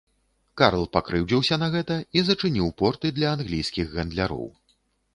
Карл пакрыўдзіўся на гэта і зачыніў порты для англійскіх гандляроў.